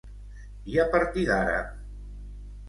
I a partir d’ara?